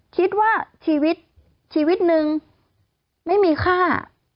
คิดว่าชีวิตชีวิตนึงไม่มีค่า